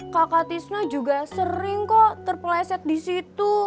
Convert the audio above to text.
kakak tisna juga sering kok terpeleset disitu